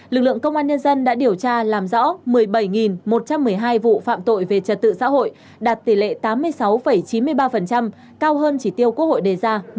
lực lượng công an nhân dân đã điều tra làm rõ một mươi bảy một trăm một mươi hai vụ phạm tội về trật tự xã hội đạt tỷ lệ tám mươi sáu chín mươi ba cao hơn chỉ tiêu quốc hội đề ra một mươi một chín mươi ba